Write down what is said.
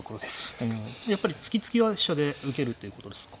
やっぱり突き突きは飛車で受けるっていうことですか。